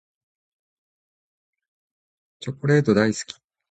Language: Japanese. チョコレート大好き。